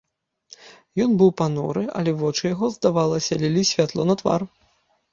Ён быў пануры, але вочы яго, здавалася, лілі святло на твар.